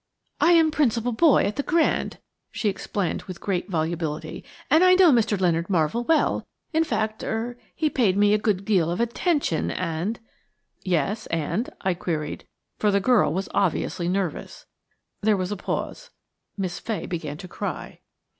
"I am principal boy at the Grand," she explained with great volubility; "and I knew Mr. Leonard Marvell well–in fact–er–he paid me a good deal of attention and–" "Yes–and–?" I queried, for the girl was obviously nervous. There was a pause. Miss Fay began to cry.